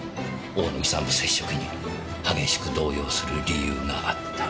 大野木さんの接触に激しく動揺する理由があった。